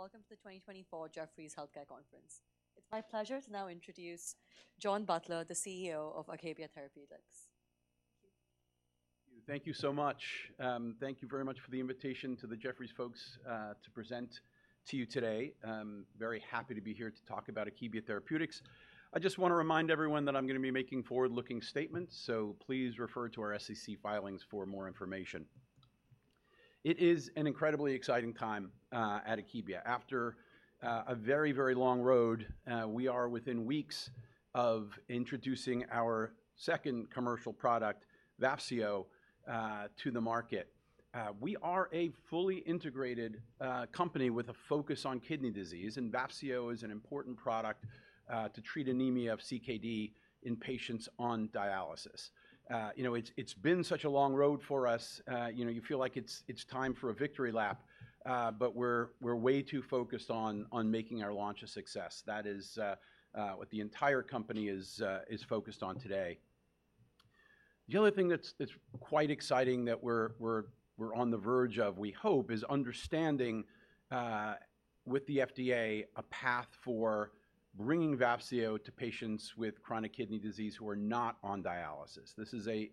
Welcome to the 2024 Jefferies Healthcare Conference. It's my pleasure to now introduce John Butler, the CEO of Akebia Therapeutics. Thank you. Thank you so much. Thank you very much for the invitation to the Jefferies folks to present to you today. Very happy to be here to talk about Akebia Therapeutics. I just want to remind everyone that I'm going to be making forward-looking statements, so please refer to our SEC filings for more information. It is an incredibly exciting time at Akebia. After a very, very long road, we are within weeks of introducing our second commercial product, Vafseo, to the market. We are a fully integrated company with a focus on kidney disease, and Vafseo is an important product to treat anemia of CKD in patients on dialysis. You know, it's been such a long road for us. You know, you feel like it's time for a victory lap, but we're way too focused on making our launch a success. That is what the entire company is focused on today. The other thing that's quite exciting that we're on the verge of, we hope, is understanding with the FDA a path for bringing Vafseo to patients with chronic kidney disease who are not on dialysis. This is a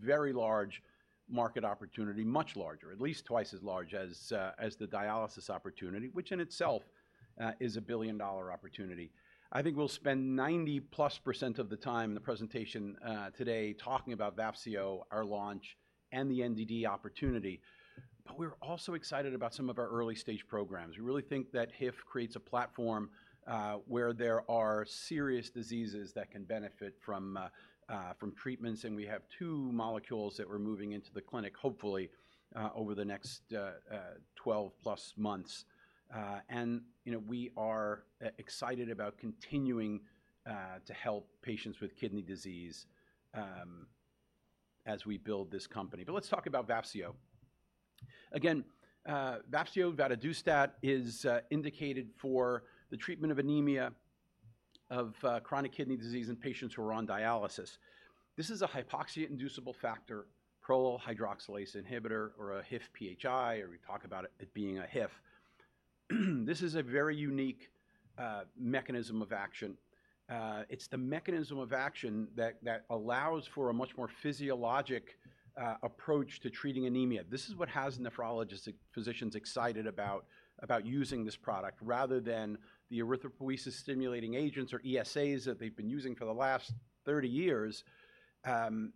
very large market opportunity, much larger, at least twice as large as the dialysis opportunity, which in itself is a billion-dollar opportunity. I think we'll spend 90-plus% of the time in the presentation today talking about Vafseo, our launch, and the NDD opportunity. But we're also excited about some of our early-stage programs. We really think that HIF creates a platform where there are serious diseases that can benefit from treatments, and we have two molecules that we're moving into the clinic, hopefully over the next 12-plus months. You know, we are excited about continuing to help patients with kidney disease as we build this company. Let's talk about Vafseo. Again, Vafseo vadadustat is indicated for the treatment of anemia of chronic kidney disease in patients who are on dialysis. This is a hypoxia-inducible factor prolyl hydroxylase inhibitor, or a HIF-PHI, or we talk about it being a HIF. This is a very unique mechanism of action. It's the mechanism of action that allows for a much more physiologic approach to treating anemia. This is what has nephrologists and physicians excited about using this product, rather than the erythropoiesis-stimulating agents or ESAs that they've been using for the last 30 years.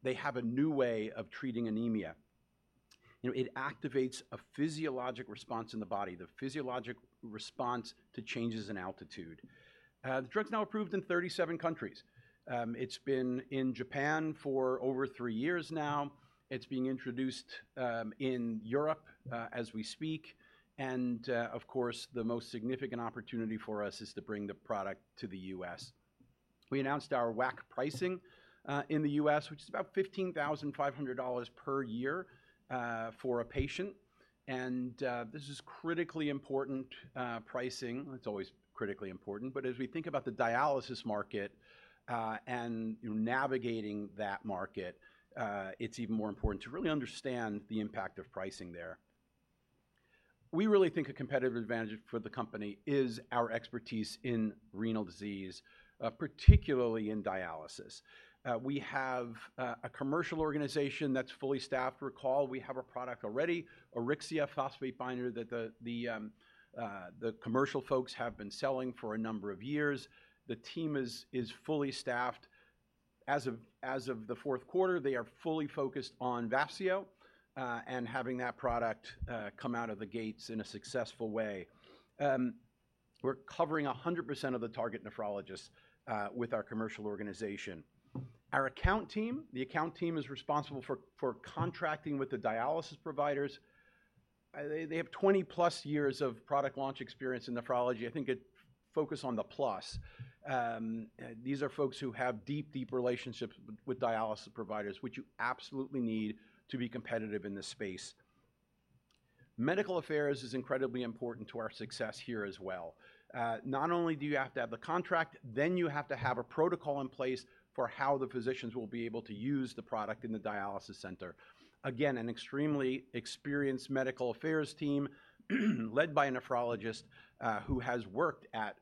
They have a new way of treating anemia. You know, it activates a physiologic response in the body, the physiologic response to changes in altitude. The drug's now approved in 37 countries. It's been in Japan for over three years now. It's being introduced in Europe as we speak, and of course the most significant opportunity for us is to bring the product to the U.S. We announced our WAC pricing in the U.S., which is about $15,500 per year for a patient, and this is critically important pricing. It's always critically important, but as we think about the dialysis market and navigating that market, it's even more important to really understand the impact of pricing there. We really think a competitive advantage for the company is our expertise in renal disease, particularly in dialysis. We have a commercial organization that's fully staffed. Recall, we have a product already, Auryxia phosphate binder, that the commercial folks have been selling for a number of years. The team is fully staffed. As of the fourth quarter, they are fully focused on Vafseo and having that product come out of the gates in a successful way. We're covering 100% of the target nephrologists with our commercial organization. Our account team, the account team is responsible for contracting with the dialysis providers. They have 20+ years of product launch experience in nephrology. I think it focuses on the plus. These are folks who have deep, deep relationships with dialysis providers, which you absolutely need to be competitive in this space. Medical affairs is incredibly important to our success here as well. Not only do you have to have the contract, then you have to have a protocol in place for how the physicians will be able to use the product in the dialysis center. Again, an extremely experienced medical affairs team led by a nephrologist who has worked at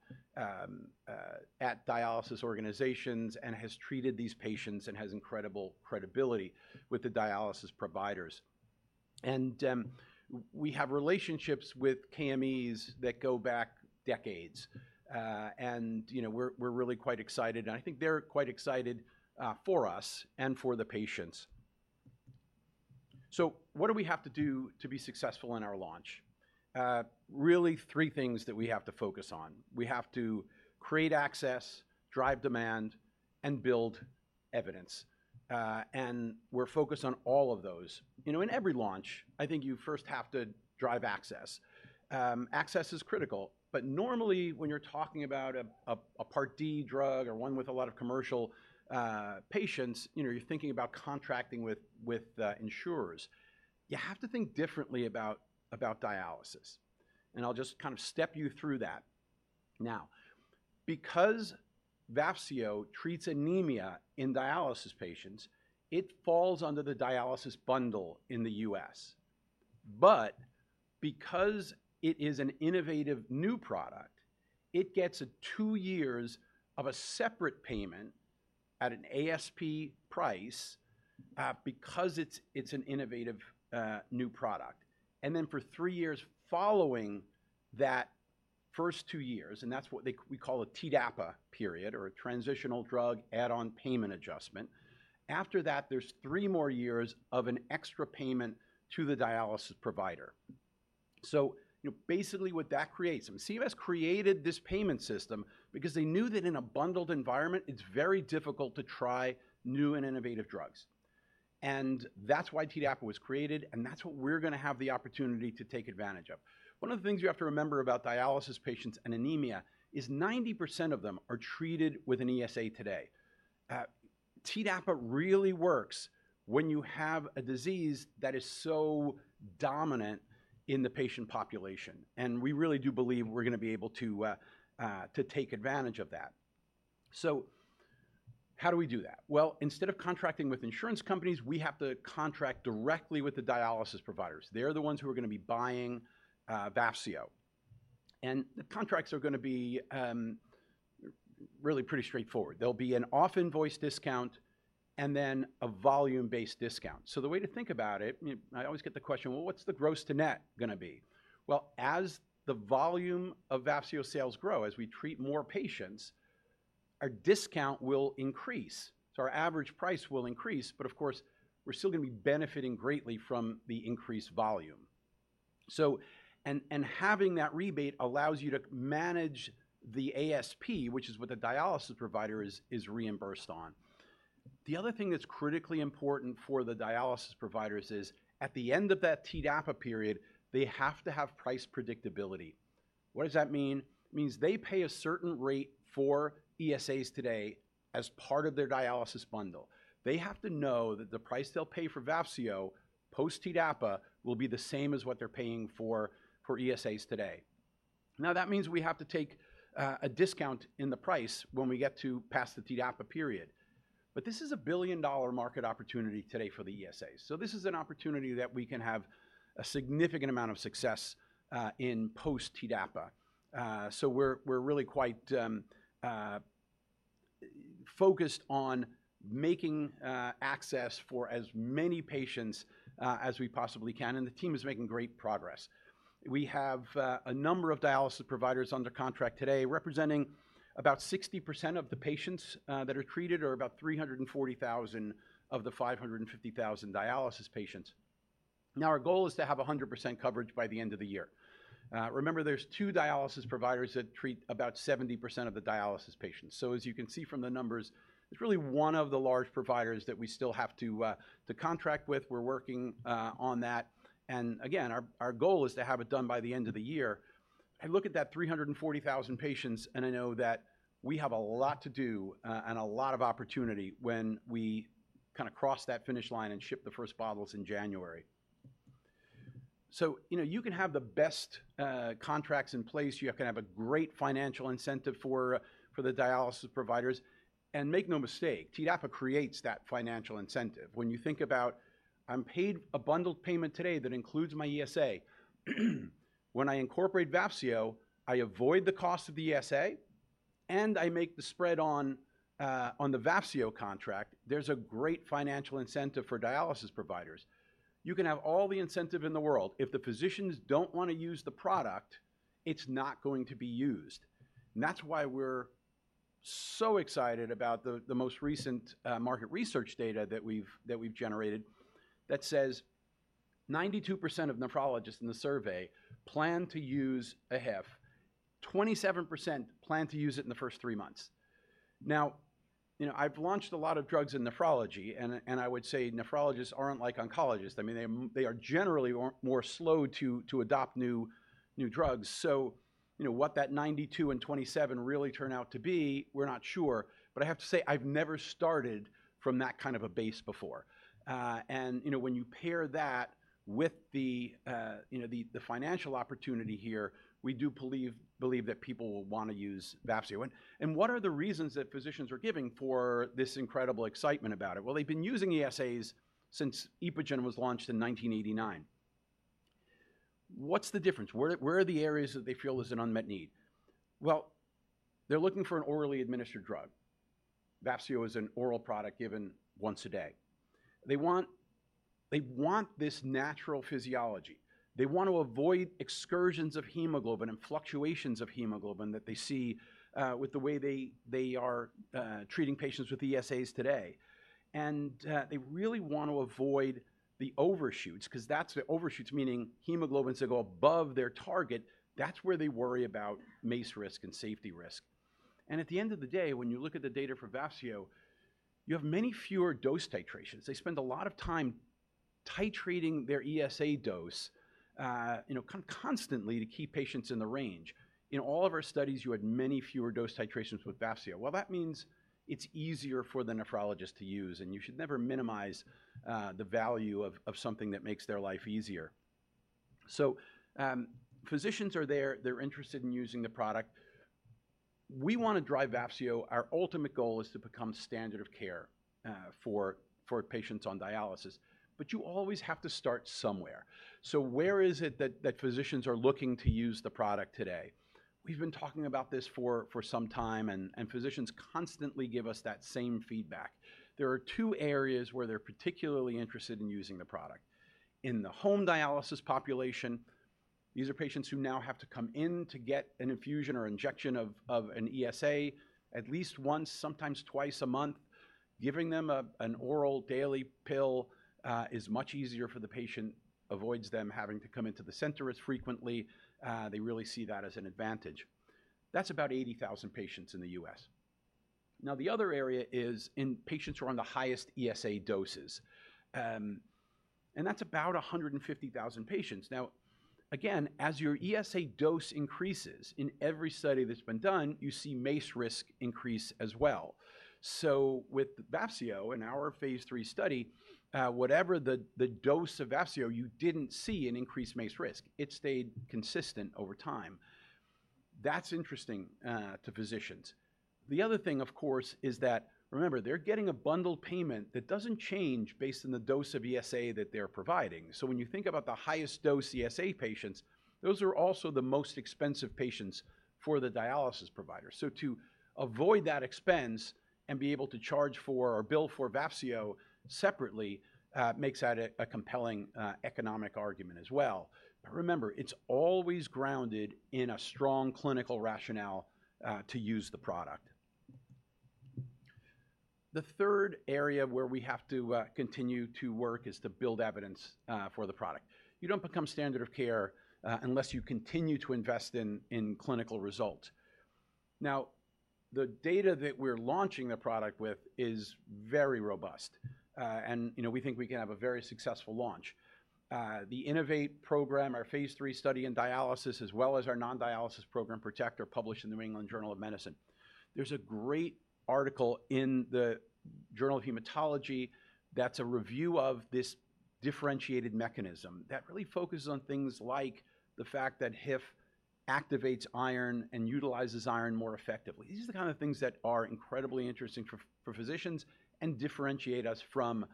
dialysis organizations and has treated these patients and has incredible credibility with the dialysis providers. And we have relationships with KMEs that go back decades. And, you know, we're really quite excited, and I think they're quite excited for us and for the patients. So what do we have to do to be successful in our launch? Really, three things that we have to focus on. We have to create access, drive demand, and build evidence. And we're focused on all of those. You know, in every launch, I think you first have to drive access. Access is critical. But normally, when you're talking about a Part D drug or one with a lot of commercial patients, you know, you're thinking about contracting with insurers. You have to think differently about dialysis. I'll just kind of step you through that now. Because Vafseo treats anemia in dialysis patients, it falls under the dialysis bundle in the U.S. Because it is an innovative new product, it gets two years of a separate payment at an ASP price because it's an innovative new product. Then for three years following that first two years, and that's what we call a TDAPA period or a transitional drug add-on payment adjustment, after that, there's three more years of an extra payment to the dialysis provider. You know, basically what that creates, and CMS created this payment system because they knew that in a bundled environment, it's very difficult to try new and innovative drugs. That's why TDAPA was created, and that's what we're going to have the opportunity to take advantage of. One of the things you have to remember about dialysis patients and anemia is 90% of them are treated with an ESA today. TDAPA really works when you have a disease that is so dominant in the patient population. And we really do believe we're going to be able to take advantage of that. So how do we do that? Well, instead of contracting with insurance companies, we have to contract directly with the dialysis providers. They're the ones who are going to be buying Vafseo. And the contracts are going to be really pretty straightforward. There'll be an off-invoice discount and then a volume-based discount. So the way to think about it, I always get the question, well, what's the gross-to-net going to be? Well, as the volume of Vafseo sales grow, as we treat more patients, our discount will increase. Our average price will increase, but of course, we're still going to be benefiting greatly from the increased volume. So, and having that rebate allows you to manage the ASP, which is what the dialysis provider is reimbursed on. The other thing that's critically important for the dialysis providers is at the end of that TDAPA period, they have to have price predictability. What does that mean? It means they pay a certain rate for ESAs today as part of their dialysis bundle. They have to know that the price they'll pay for Vafseo post-TDAPA will be the same as what they're paying for ESAs today. Now, that means we have to take a discount in the price when we get to past the TDAPA period. But this is a billion-dollar market opportunity today for the ESA. So this is an opportunity that we can have a significant amount of success in post-TDAPA. So we're really quite focused on making access for as many patients as we possibly can, and the team is making great progress. We have a number of dialysis providers under contract today representing about 60% of the patients that are treated or about 340,000 of the 550,000 dialysis patients. Now, our goal is to have 100% coverage by the end of the year. Remember, there's two dialysis providers that treat about 70% of the dialysis patients. So as you can see from the numbers, it's really one of the large providers that we still have to contract with. We're working on that. And again, our goal is to have it done by the end of the year. I look at that 340,000 patients, and I know that we have a lot to do and a lot of opportunity when we kind of cross that finish line and ship the first bottles in January. You know, you can have the best contracts in place. You can have a great financial incentive for the dialysis providers. And make no mistake, TDAPA creates that financial incentive. When you think about, I'm paid a bundled payment today that includes my ESA. When I incorporate Vafseo, I avoid the cost of the ESA, and I make the spread on the Vafseo contract. There's a great financial incentive for dialysis providers. You can have all the incentive in the world. If the physicians don't want to use the product, it's not going to be used. And that's why we're so excited about the most recent market research data that we've generated that says 92% of nephrologists in the survey plan to use a HIF. 27% plan to use it in the first three months. Now, you know, I've launched a lot of drugs in nephrology, and I would say nephrologists aren't like oncologists. I mean, they are generally more slow to adopt new drugs. So, you know, what that 92 and 27 really turn out to be, we're not sure. But I have to say, I've never started from that kind of a base before. And, you know, when you pair that with the, you know, the financial opportunity here, we do believe that people will want to use Vafseo. And what are the reasons that physicians are giving for this incredible excitement about it? They've been using ESAs since Epogen was launched in 1989. What's the difference? Where are the areas that they feel there's an unmet need? They're looking for an orally administered drug. Vafseo is an oral product given once a day. They want this natural physiology. They want to avoid excursions of hemoglobin and fluctuations of hemoglobin that they see with the way they are treating patients with ESAs today. And they really want to avoid the overshoots, because that's the overshoots, meaning hemoglobins that go above their target. That's where they worry about MACE risk and safety risk. And at the end of the day, when you look at the data for Vafseo, you have many fewer dose titrations. They spend a lot of time titrating their ESA dose, you know, constantly to keep patients in the range. In all of our studies, you had many fewer dose titrations with Vafseo. Well, that means it's easier for the nephrologist to use, and you should never minimize the value of something that makes their life easier. So physicians are there. They're interested in using the product. We want to drive Vafseo. Our ultimate goal is to become standard of care for patients on dialysis. But you always have to start somewhere. So where is it that physicians are looking to use the product today? We've been talking about this for some time, and physicians constantly give us that same feedback. There are two areas where they're particularly interested in using the product. In the home dialysis population, these are patients who now have to come in to get an infusion or injection of an ESA at least once, sometimes twice a month. Giving them an oral daily pill is much easier for the patient, avoids them having to come into the center as frequently. They really see that as an advantage. That's about 80,000 patients in the U.S. Now, the other area is in patients who are on the highest ESA doses, and that's about 150,000 patients. Now, again, as your ESA dose increases, in every study that's been done, you see MACE risk increase as well, so with Vafseo in our phase three study, whatever the dose of Vafseo, you didn't see an increased MACE risk. It stayed consistent over time. That's interesting to physicians. The other thing, of course, is that, remember, they're getting a bundled payment that doesn't change based on the dose of ESA that they're providing, so when you think about the highest dose ESA patients, those are also the most expensive patients for the dialysis provider. So to avoid that expense and be able to charge for or bill for Vafseo separately makes that a compelling economic argument as well. But remember, it's always grounded in a strong clinical rationale to use the product. The third area where we have to continue to work is to build evidence for the product. You don't become standard of care unless you continue to invest in clinical results. Now, the data that we're launching the product with is very robust. And, you know, we think we can have a very successful launch. The INNO2VATE program, our phase 3 study in dialysis, as well as our non-dialysis program, PRO2TECT, are published in the New England Journal of Medicine. There's a great article in the Journal of Hematology that's a review of this differentiated mechanism that really focuses on things like the fact that HIF activates iron and utilizes iron more effectively. These are the kind of things that are incredibly interesting for physicians and differentiate us from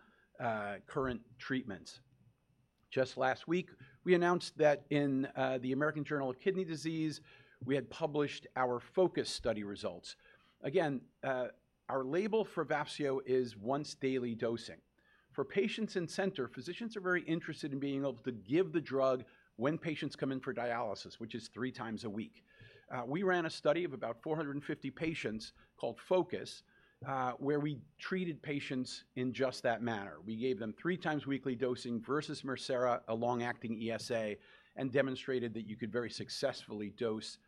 current treatments. Just last week, we announced that in the American Journal of Kidney Diseases, we had published our FOCUS study results. Again, our label for Vafseo is once-daily dosing. For patients in center, physicians are very interested in being able to give the drug when patients come in for dialysis, which is three times a week. We ran a study of about 450 patients called FOCUS, where we treated patients in just that manner. We gave them three times weekly dosing versus Mircera, a long-acting ESA, and demonstrated that you could very successfully dose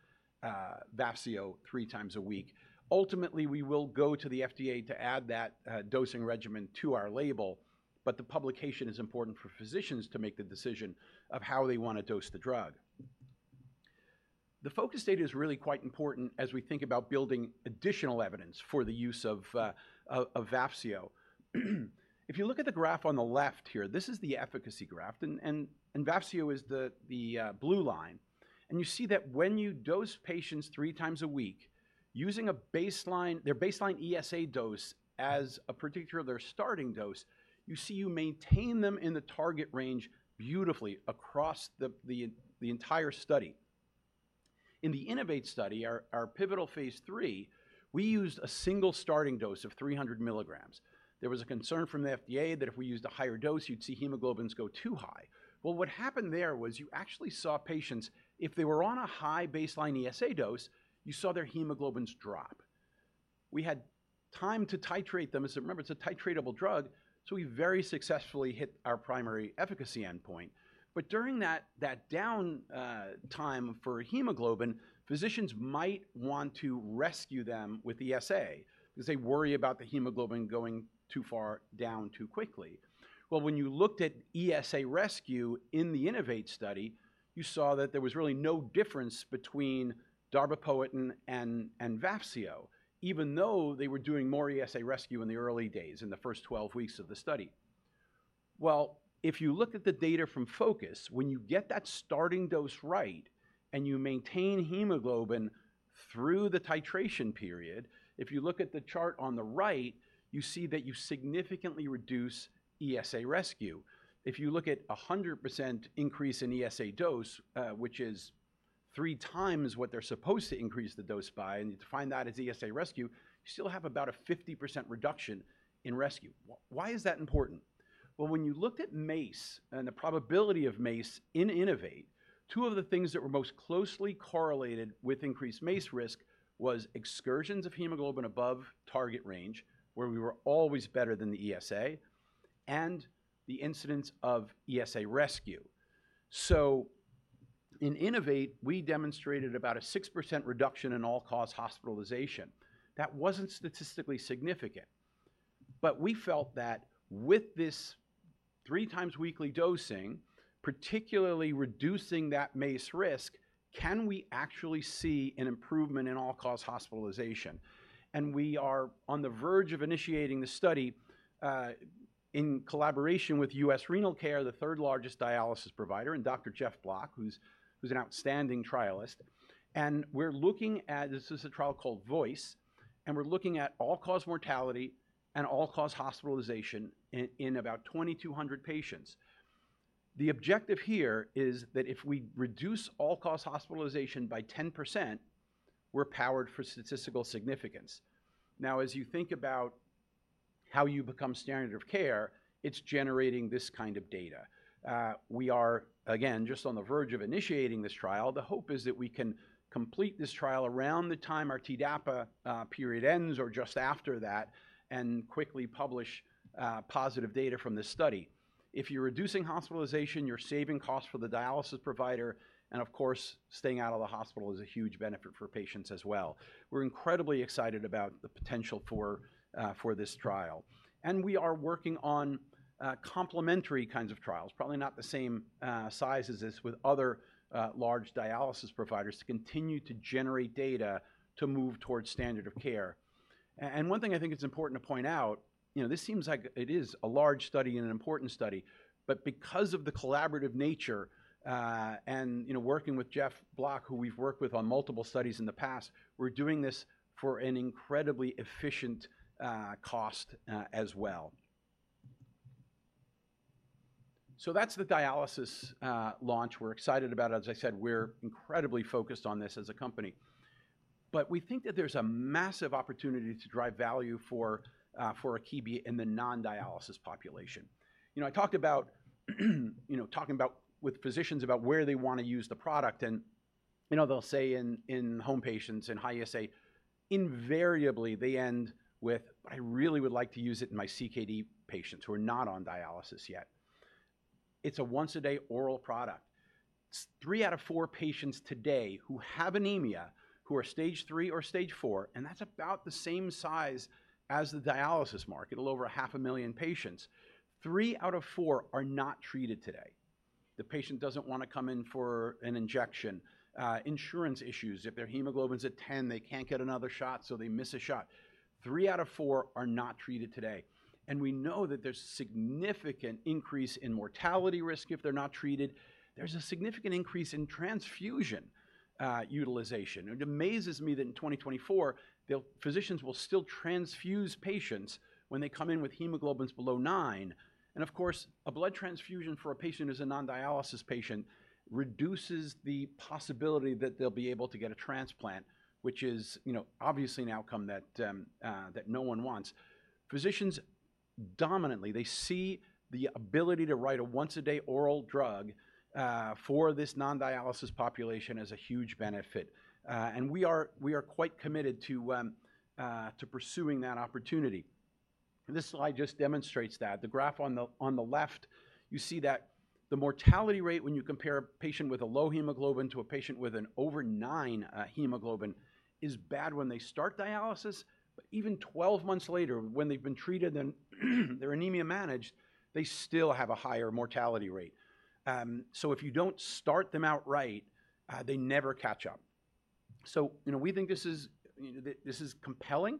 Vafseo three times a week. Ultimately, we will go to the FDA to add that dosing regimen to our label, but the publication is important for physicians to make the decision of how they want to dose the drug. The focus data is really quite important as we think about building additional evidence for the use of Vafseo. If you look at the graph on the left here, this is the efficacy graph, and Vafseo is the blue line. You see that when you dose patients three times a week using their baseline ESA dose as a particular starting dose, you see you maintain them in the target range beautifully across the entire study. In the INNO2VATE study, our pivotal phase III, we used a single starting dose of 300 milligrams. There was a concern from the FDA that if we used a higher dose, you'd see hemoglobins go too high. Well, what happened there was you actually saw patients, if they were on a high baseline ESA dose, you saw their hemoglobins drop. We had time to titrate them. Remember, it's a titratable drug, so we very successfully hit our primary efficacy endpoint. But during that downtime for hemoglobin, physicians might want to rescue them with ESA because they worry about the hemoglobin going too far down too quickly. Well, when you looked at ESA rescue in the INNO2VATE study, you saw that there was really no difference between darbepoetin and Vafseo, even though they were doing more ESA rescue in the early days, in the first 12 weeks of the study. Well, if you look at the data from FOCUS, when you get that starting dose right and you maintain hemoglobin through the titration period, if you look at the chart on the right, you see that you significantly reduce ESA rescue. If you look at a 100% increase in ESA dose, which is three times what they're supposed to increase the dose by, and you find that as ESA rescue, you still have about a 50% reduction in rescue. Why is that important? Well, when you looked at MACE and the probability of MACE in INNO2VATE, two of the things that were most closely correlated with increased MACE risk was excursions of hemoglobin above target range, where we were always better than the ESA, and the incidence of ESA rescue. So in INNO2VATE, we demonstrated about a 6% reduction in all-cause hospitalization. That wasn't statistically significant. But we felt that with this three-times-weekly dosing, particularly reducing that MACE risk, can we actually see an improvement in all-cause hospitalization? And we are on the verge of initiating the study in collaboration with U.S. Renal Care, the third largest dialysis provider, and Dr. Jeff Block, who's an outstanding trialist. And we're looking at this is a trial called VOICE, and we're looking at all-cause mortality and all-cause hospitalization in about 2,200 patients. The objective here is that if we reduce all-cause hospitalization by 10%, we're powered for statistical significance. Now, as you think about how you become standard of care, it's generating this kind of data. We are, again, just on the verge of initiating this trial. The hope is that we can complete this trial around the time our TDAPA period ends or just after that and quickly publish positive data from this study. If you're reducing hospitalization, you're saving costs for the dialysis provider, and of course, staying out of the hospital is a huge benefit for patients as well. We're incredibly excited about the potential for this trial, and we are working on complementary kinds of trials, probably not the same size as this with other large dialysis providers, to continue to generate data to move towards standard of care, and one thing I think it's important to point out, you know, this seems like it is a large study and an important study, but because of the collaborative nature and, you know, working with Jeff Block, who we've worked with on multiple studies in the past, we're doing this for an incredibly efficient cost as well, so that's the dialysis launch we're excited about. As I said, we're incredibly focused on this as a company. We think that there's a massive opportunity to drive value for Akebia in the non-dialysis population. You know, I talked about, you know, talking about with physicians about where they want to use the product. And, you know, they'll say in home patients and high ESA, invariably they end with, "But I really would like to use it in my CKD patients who are not on dialysis yet." It's a once-a-day oral product. Three out of four patients today who have anemia who are stage three or stage four, and that's about the same size as the dialysis market, a little over 500,000 patients, three out of four are not treated today. The patient doesn't want to come in for an injection. Insurance issues. If their hemoglobin's at 10, they can't get another shot, so they miss a shot. Three out of four are not treated today. And we know that there's a significant increase in mortality risk if they're not treated. There's a significant increase in transfusion utilization. It amazes me that in 2024, physicians will still transfuse patients when they come in with hemoglobins below nine. And of course, a blood transfusion for a patient who's a non-dialysis patient reduces the possibility that they'll be able to get a transplant, which is, you know, obviously an outcome that no one wants. Physicians dominantly, they see the ability to write a once-a-day oral drug for this non-dialysis population as a huge benefit. And we are quite committed to pursuing that opportunity. This slide just demonstrates that. The graph on the left, you see that the mortality rate when you compare a patient with a low hemoglobin to a patient with an over nine hemoglobin is bad when they start dialysis. But even 12 months later, when they've been treated and their anemia managed, they still have a higher mortality rate. So if you don't start them out right, they never catch up. So, you know, we think this is compelling.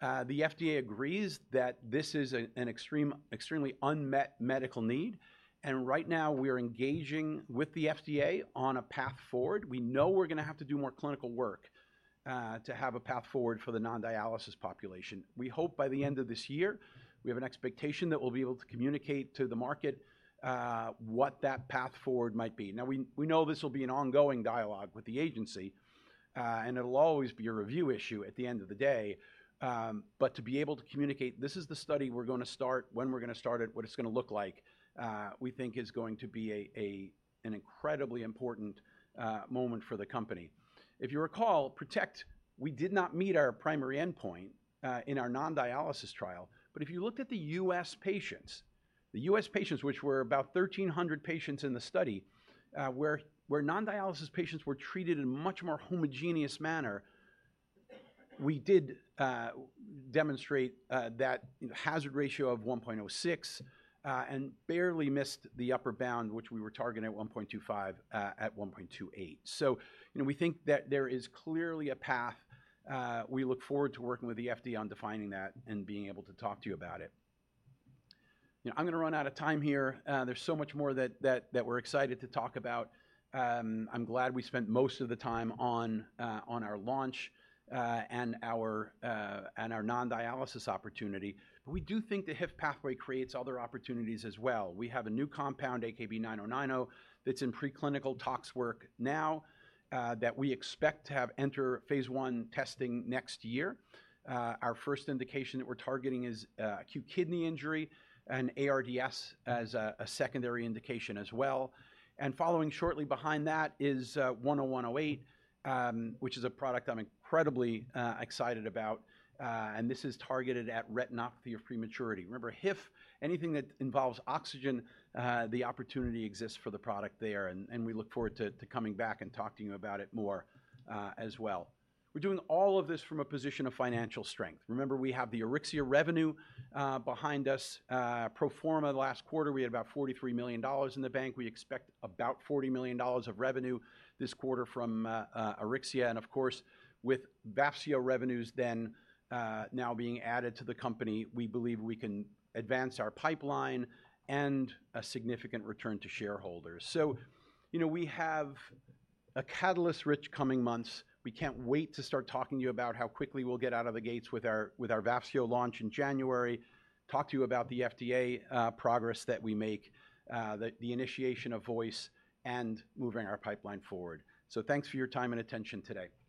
The FDA agrees that this is an extremely unmet medical need. And right now, we are engaging with the FDA on a path forward. We know we're going to have to do more clinical work to have a path forward for the non-dialysis population. We hope by the end of this year, we have an expectation that we'll be able to communicate to the market what that path forward might be. Now, we know this will be an ongoing dialogue with the agency, and it'll always be a review issue at the end of the day. But to be able to communicate, "This is the study we're going to start, when we're going to start it, what it's going to look like," we think is going to be an incredibly important moment for the company. If you recall, PRO2TECT, we did not meet our primary endpoint in our non-dialysis trial. But if you looked at the U.S. patients, the U.S. patients, which were about 1,300 patients in the study, where non-dialysis patients were treated in a much more homogeneous manner, we did demonstrate that hazard ratio of 1.06 and barely missed the upper bound, which we were targeting at 1.25 at 1.28. So, you know, we think that there is clearly a path. We look forward to working with the FDA on defining that and being able to talk to you about it. You know, I'm going to run out of time here. There's so much more that we're excited to talk about. I'm glad we spent most of the time on our launch and our non-dialysis opportunity. But we do think the HIF pathway creates other opportunities as well. We have a new compound, AKB-9090, that's in preclinical tox work now that we expect to have enter phase one testing next year. Our first indication that we're targeting is acute kidney injury and ARDS as a secondary indication as well. And following shortly behind that is AKB-10108, which is a product I'm incredibly excited about. And this is targeted at retinopathy of prematurity. Remember, HIF, anything that involves oxygen, the opportunity exists for the product there. And we look forward to coming back and talking to you about it more as well. We're doing all of this from a position of financial strength. Remember, we have the Auryxia revenue behind us. Proforma, last quarter, we had about $43 million in the bank. We expect about $40 million of revenue this quarter from Auryxia. And of course, with Vafseo revenues then now being added to the company, we believe we can advance our pipeline and a significant return to shareholders. So, you know, we have a catalyst-rich coming months. We can't wait to start talking to you about how quickly we'll get out of the gates with our Vafseo launch in January, talk to you about the FDA progress that we make, the initiation of VOICE, and moving our pipeline forward. So thanks for your time and attention today.